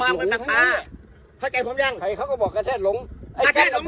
เป็นปลาปลาเข้าใจผมยังใครเขาก็บอกกระแทดหลงกระแทดหลง